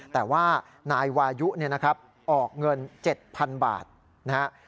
แต่ว่านายวายุเนี่ยนะครับออกเงินเจ็ดพันบาทนะฮะ